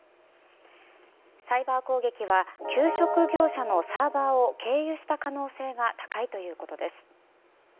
サイバー攻撃は給食業者のサーバーを経由した可能性が高いということです。